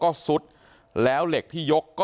ก็ยกเหล็กขึ้นลงตามจังหวะโดยจะเพิ่มน้ำหนักเหล็กที่ยกขึ้นเรื่อย